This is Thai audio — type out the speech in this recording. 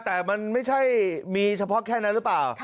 แต่มันไม่ใช่มีเฉพาะแค่นั้นหรือเปล่า